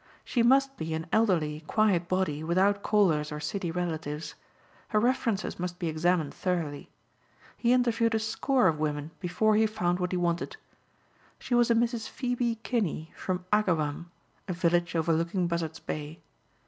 She must be an elderly, quiet body without callers or city relatives. Her references must be examined thoroughly. He interviewed a score of women before he found what he wanted. She was a Mrs. Phoebe Kinney from Agawam, a village overlooking Buzzard's Bay.